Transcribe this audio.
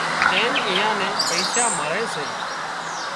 اين ايئان نين پئيشا مۯي سي